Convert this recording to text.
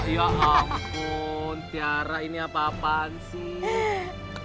ya ampun tiara ini apa apaan sih